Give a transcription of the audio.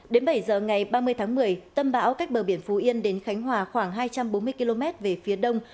đến bảy giờ ngày ba mươi tháng một mươi tâm bão cách bờ biển phú yên đến khánh hòa khoảng hai trăm bốn mươi km về phía đông